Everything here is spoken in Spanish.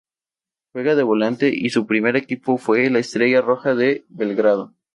Juega de volante y su primer equipo fue la Estrella Roja de Belgrado.